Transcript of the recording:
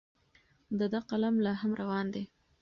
د ده قلم لا هم روان دی.